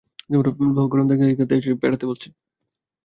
লোহা গরম থাকতেই তাতে পেটাতে বলছে।